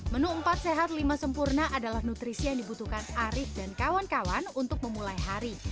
menu empat sehat lima sempurna adalah nutrisi yang dibutuhkan arief dan kawan kawan untuk memulai hari